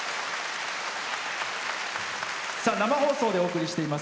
生放送でお送りしています